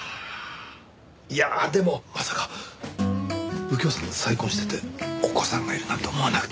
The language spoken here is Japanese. いやあでもまさか右京さんが再婚しててお子さんがいるなんて思わなくて。